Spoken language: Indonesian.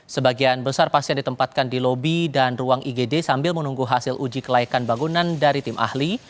sebagian besar pasien ditempatkan di lobi dan ruang igd sambil menunggu hasil uji kelaikan bangunan dari tim ahli